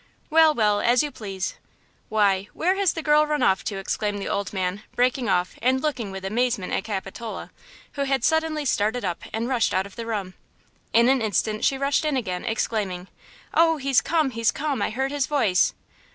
"Well, well, as you please. Why, where has the girl run off to!" exclaimed the old man, breaking off, and looking with amazement at Capitola, who had suddenly started up and rushed out of the room. In an instant she rushed in again, exclaiming: "Oh, he's come! he's come! I heard his voice!"